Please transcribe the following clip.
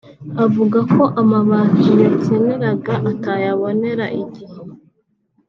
Avuga ko amabati yakeneraga atayaboneraga igihe